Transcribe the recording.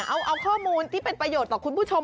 เอาข้อมูลที่เป็นประโยชน์ต่อคุณผู้ชม